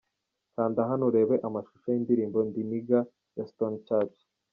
Kanda hano urebe amashusho y'indirimbo 'Ndi nigga' ya Stone church.